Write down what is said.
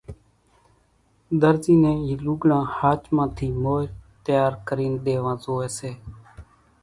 ۮرزي نين اِي لوڳڙان ۿاچمان ٿي مور تيار ڪرين ۮيوان زوئي سي